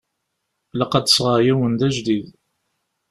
Ilaq ad d-sɣeɣ yiwen d ajdid.